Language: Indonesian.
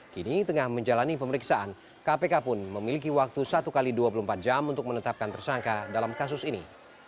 kini tengah menjalani pemeriksaan kpk pun memiliki waktu satu x dua puluh empat jam untuk menetapkan tersangka dalam kasus ini